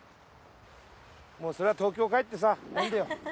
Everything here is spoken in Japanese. うそれは東京帰ってさ飲んでよ。